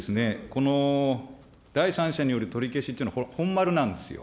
この第三者による取り消しっていうのは、これ、本丸なんですよ。